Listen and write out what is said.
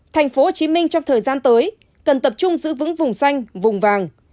tp hcm trong thời gian tới cần tập trung giữ vững vùng xanh vùng vàng